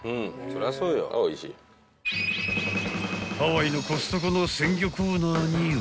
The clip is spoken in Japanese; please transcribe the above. ［ハワイのコストコの鮮魚コーナーには］